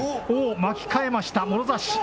巻き返しました、もろ差し。